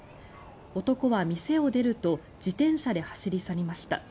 男は店を出ると自転車で走り去りました。